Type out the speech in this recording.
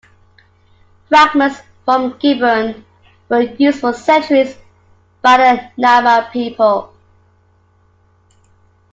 Fragments from Gibeon were used for centuries by the Nama people.